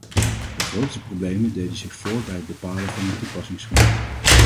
De grootste problemen deden zich voor bij het bepalen van het toepassingsgebied.